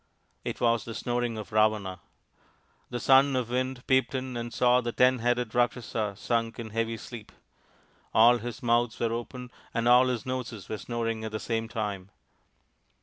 It was the snoring of Ravana ! The Son of the Wind peeped in and saw the ten headed Rakshasa sunk in heavy sleep. All his mouths were open and all his noses were snoring at the same time.